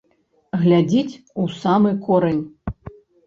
Глядзіць у самы корань.